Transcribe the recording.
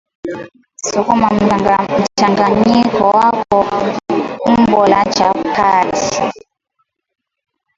sukuma mchanganyiko wako umbo la chapati